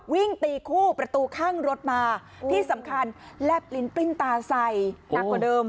วิ่งตีคู่ประตูข้างรถมาที่สำคัญแลบลิ้นปลิ้นตาใส่หนักกว่าเดิม